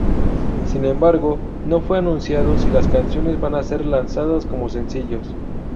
Sin embargo, no fue anunciado si las canciones van a ser lanzadas como sencillos.